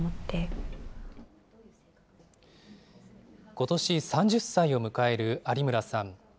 ことし３０歳を迎える有村さん。